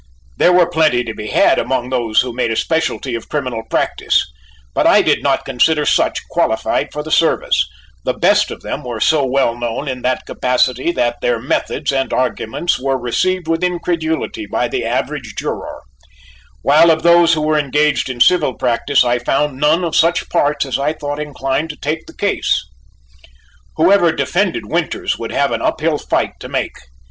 There were plenty to be had among those who made a specialty of criminal practice, but I did not consider such qualified for the service: the best of them were so well known in that capacity that their methods and arguments were received with incredulity by the average juror: while of those who were engaged in civil practice, I found none of such parts as I sought inclined to take the case. Whoever defended Winters would have an uphill fight to make.